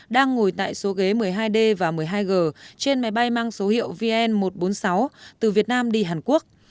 đang ngồi tại số ghế một mươi hai d và một mươi hai g trên máy bay mang số hiệu vn một trăm bốn mươi sáu từ việt nam đi hàn quốc